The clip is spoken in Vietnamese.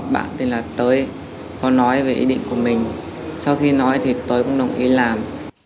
bạn tên là tới có nói về ý định của mình sau khi nói thì tới cũng đồng ý làm